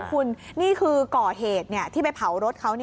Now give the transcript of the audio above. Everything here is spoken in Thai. คุณนี่คือก่อเหตุที่ไปเผารถเขา